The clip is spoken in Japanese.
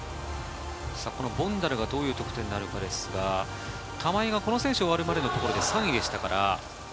ボンダルがどういう得点になるかですが、玉井はこの選手が終わるまでに３位でしたから。